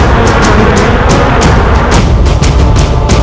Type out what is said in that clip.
dia pikir itu harus klik